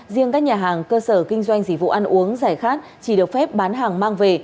riêng các nhà hàng cơ sở kinh doanh dịch vụ ăn uống giải khát chỉ được phép bán hàng mang về